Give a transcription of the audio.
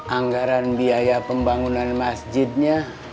anggaran biaya pembangunan masjidnya